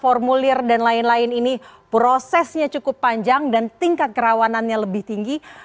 formulir dan lain lain ini prosesnya cukup panjang dan tingkat kerawanannya lebih tinggi